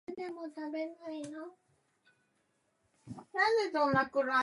Following his death, "Remember Ellsworth" would become a Union rallying cry.